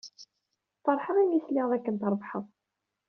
Feṛḥeɣ mi sliɣ dakken trebḥed.